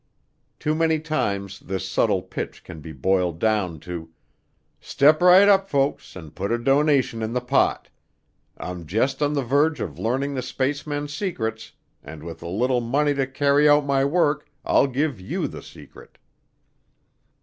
Too many times this subtle pitch can be boiled down to, "Step right up folks and put a donation in the pot. I'm just on the verge of learning the spaceman's secrets and with a little money to carry out my work I'll give you the secret."